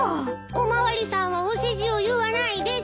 お巡りさんはお世辞を言わないです。